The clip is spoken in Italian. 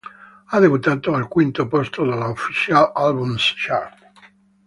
Ha debuttato al quinto posto della Official Albums Chart.